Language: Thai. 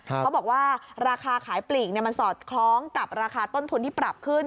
เขาบอกว่าราคาขายปลีกมันสอดคล้องกับราคาต้นทุนที่ปรับขึ้น